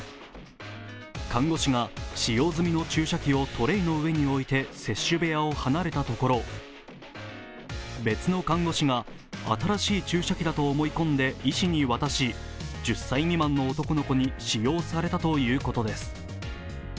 看護師が使用済みの注射器をトレイの上に置いて接種部屋を離れたところ別の看護師が新しい注射器だと思い込んで医師に渡し１０歳未満の男の子に使用されたということです。